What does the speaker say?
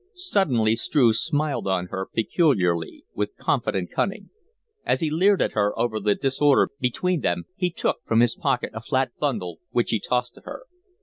Suddenly Struve smiled on her peculiarly, with confident cunning. As he leered at her over the disorder between them he took from his pocket a flat bundle which he tossed to her.